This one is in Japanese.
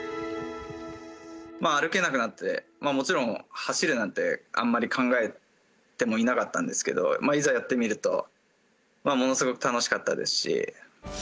まあ、歩けなくなって、もちろん走るなんてあんまり考えてもいなかったんですけど、いざやってみると、ものすごく楽しかったですし。